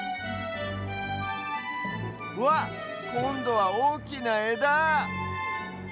うわっこんどはおおきなえだ！